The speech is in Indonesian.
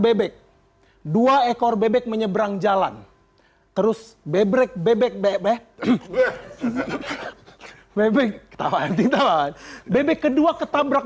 bebek dua ekor bebek menyeberang jalan terus bebek bebek bebek bebek tawan ditawan bebek kedua ketabrak